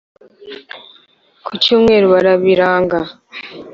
ku cyumweru barabiranga